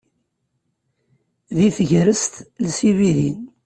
Di tegrest, els ibidi.